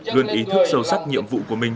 luôn ý thức sâu sắc nhiệm vụ của mình